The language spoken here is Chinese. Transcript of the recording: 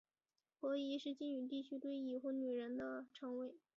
婆姨是晋语地区对已婚女人的称谓。